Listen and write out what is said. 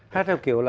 hát theo kiểu là